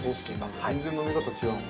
◆全然飲み方違うもん。